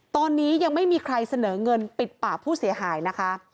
ตอนนี้ยังไม่มีใครเสนอเงินปิดปากผู้เสียหายนะคะ